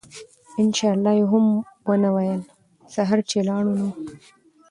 إن شاء الله ئي هم ونه ويله!! سهار چې لاړو نو